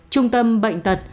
trung tâm bệnh tật